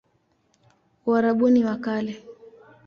Uarabuni wa Kale